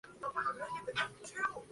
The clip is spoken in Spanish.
Tenemos constancia de dos textos.